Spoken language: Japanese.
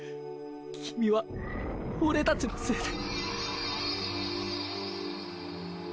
君は俺たちのせいで。